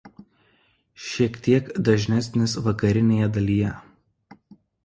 Šiek tiek dažnesnis vakarinėje dalyje.